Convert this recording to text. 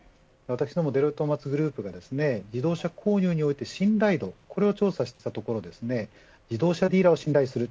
デロイトトーマツグループが自動車購入において信頼度、これを調査したところ自動車ディーラーを信頼する